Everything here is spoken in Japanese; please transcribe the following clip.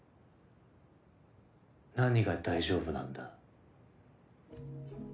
・何が大丈夫なんだ？